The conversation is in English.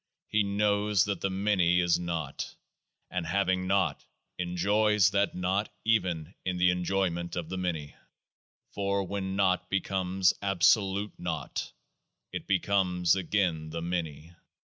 he knows that the Many is Naught ; and having Naught, en joys that Naught even in the enjoyment of the Many. For when Naught becomes Absolute Naught, it becomes again the Many.